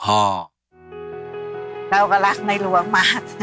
เราก็รักในหลวงมาก